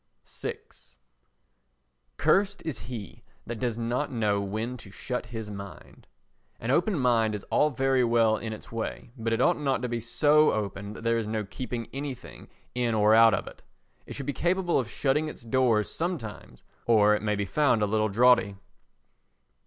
vi Cursed is he that does not know when to shut his mind. An open mind is all very well in its way, but it ought not to be so open that there is no keeping anything in or out of it. It should be capable of shutting its doors sometimes, or it may be found a little draughty.